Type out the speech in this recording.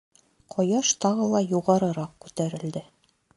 Ҡояш тағы ла юғарыраҡ күтәрелде.